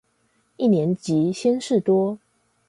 一年級鮮事多